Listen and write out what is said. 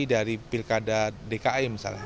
dari pilkada dki misalnya